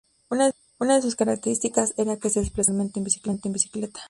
Una de sus características era que se desplazaban normalmente en bicicleta.